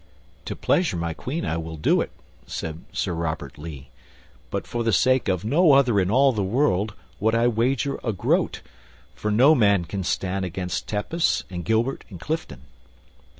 "To pleasure my Queen I will do it," said Sir Robert Lee, "but for the sake of no other in all the world would I wager a groat, for no man can stand against Tepus and Gilbert and Clifton."